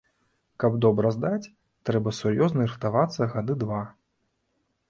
Каб добра здаць, трэба сур'ёзна рыхтавацца гады два.